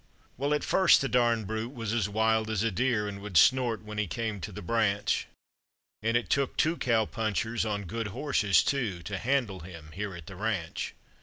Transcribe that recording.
Well, at first the darn brute was as wild as a deer, an' would snort when he came to the branch, An' it took two cow punchers, on good horses, too, to handle him here at the ranch.